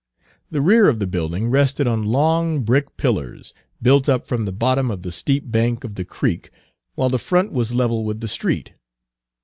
The rear of the building rested on long brick pillars, built up from the bottom of the steep bank of the creek, while the front was level with the street.